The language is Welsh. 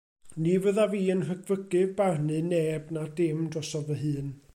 Ni fyddaf i yn rhyfygu barnu neb, na dim, drosof fy hun.